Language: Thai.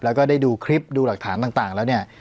แล้วก็ได้ดูคลิปดูหลักฐานต่างแล้วเนี่ย